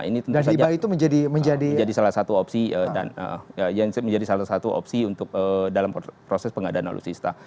nah ini tentu saja menjadi salah satu opsi untuk dalam proses pengadaan alutsista